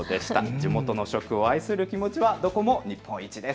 地元の食を愛する気持ちはどこも日本一です。